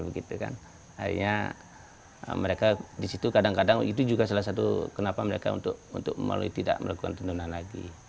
akhirnya mereka disitu kadang kadang itu juga salah satu kenapa mereka untuk melalui tidak melakukan tundunan lagi